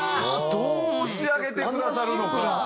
どう仕上げてくださるのか。